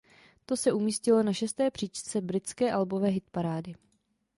To se umístilo na šesté příčce Britské albové hitparády.